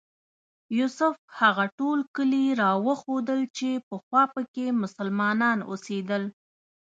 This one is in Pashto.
یوسف هغه ټول کلي راوښودل چې پخوا په کې مسلمانان اوسېدل.